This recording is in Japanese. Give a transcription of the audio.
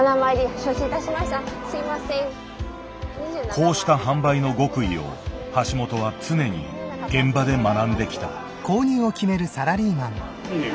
こうした販売の極意を橋本は常に現場で学んできた。